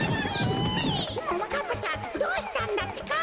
ももかっぱちゃんどうしたんだってか？